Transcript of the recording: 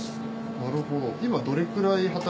なるほど。